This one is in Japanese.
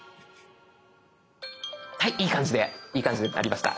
いい感じでいい感じで鳴りました。